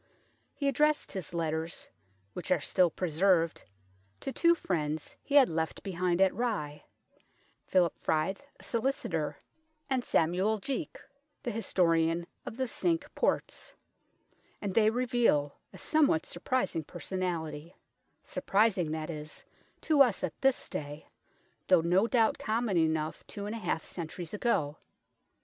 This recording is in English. He addressed his letters, which are still preserved, to two friends he had left behind at Rye, Philip Fryth, a solicitor, and Samuel Jeake, the historian of the Cinque Ports ; and they reveal a somewhat surprising personality surprising, that is, to us at this day, though no doubt common enough two and a half centuries ago.